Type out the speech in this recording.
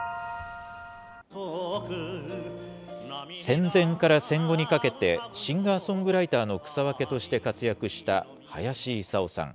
戦前から戦後にかけて、シンガーソングライターの草分けとして活躍した林伊佐緒さん。